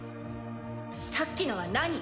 さっきのは何？